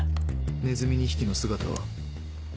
ネズミ２匹の姿は？